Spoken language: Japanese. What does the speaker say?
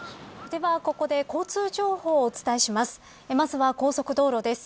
では、ここで交通情報をお伝えします。